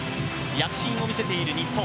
躍進を見せている日本。